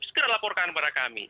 segera laporkan kepada kami